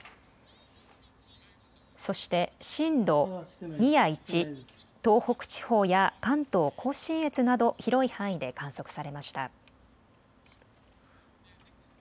そして震度２や１、東北地方や関東甲信越など広い範囲で観測されました。